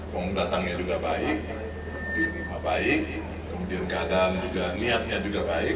pengundatangnya juga baik kemudian keadaan juga niatnya juga baik